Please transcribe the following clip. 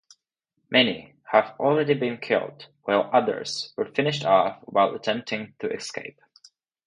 Many had already been killed while others were finished off while attempting to escape.